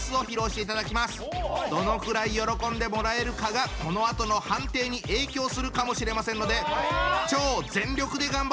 どのくらい喜んでもらえるかがこのあとの判定に影響するかもしれませんので超全力で頑張ってください！